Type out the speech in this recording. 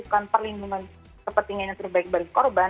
bukan perlindungan kepentingan yang terbaik bagi korban